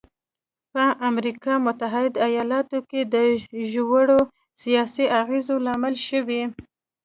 په امریکا متحده ایالتونو کې د ژورو سیاسي اغېزو لامل شوی.